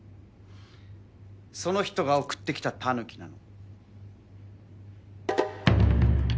その人が送ってきたタヌキなの。